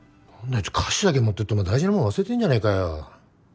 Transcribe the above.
あいつ菓子だけ持ってってお前大事なもん忘れてんじゃねえかよ